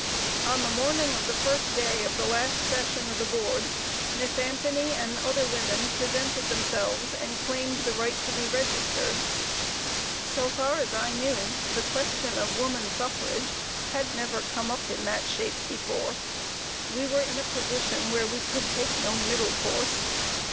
On the morning of the first day of the last session of the Board, Miss Anthony and other women presented themselves and claimed the right to be registered. So far as I knew, the question of woman suffrage had never come up in that shape before. We were in a position where we could take no middle course.